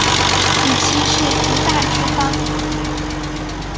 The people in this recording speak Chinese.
母亲是于大之方。